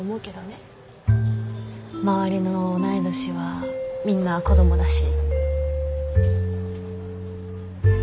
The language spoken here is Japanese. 周りの同い年はみんな子どもだし。